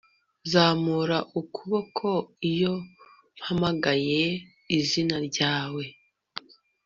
Zamura ukuboko iyo mpamagaye izina ryawe